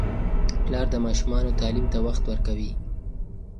پلار د ماشومانو تعلیم ته وخت ورکوي.